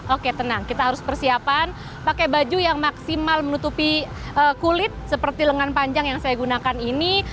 oke tenang kita harus persiapan pakai baju yang maksimal menutupi kulit seperti lengan panjang yang saya gunakan ini